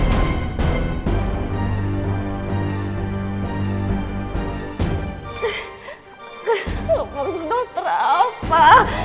maksud dokter apa